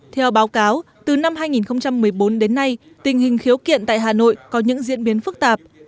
theo báo cáo từ năm hai nghìn một mươi bốn đến nay tình hình khiếu kiện tại hà nội có những diễn biến phức tạp